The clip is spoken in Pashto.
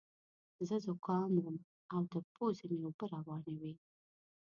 زه ذکام وم او تر پوزې مې اوبه روانې وې.